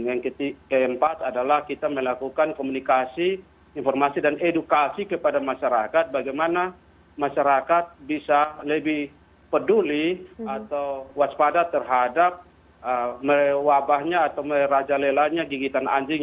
yang keempat adalah kita melakukan komunikasi informasi dan edukasi kepada masyarakat bagaimana masyarakat bisa lebih peduli atau waspada terhadap mewabahnya atau merajalelanya gigitan anjing